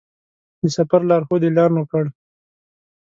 د سفر لارښود اعلان وکړ.